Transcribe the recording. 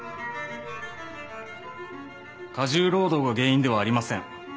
過重労働が原因ではありません。